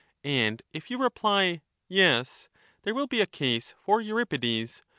209 And if you reply 'Yes/ there will be a case for Euripides; Thtactetus.